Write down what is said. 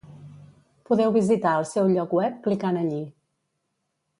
Podeu visitar el seu lloc web clicant allí.